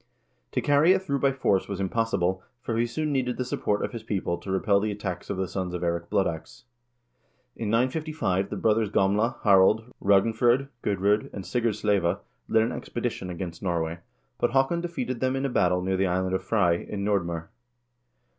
To carry it through by force was impossible, for he soon needed the support of his people to repel the attacks of the sons of Eirik Blood Ax. In 955 the brothers Gamle, Harald, Ragn fr0d, Gudr0d, and Sigurd Sleva led an expedition against Norway, but Haakon defeated them in a battle near the island of Frei, in Nordm0r.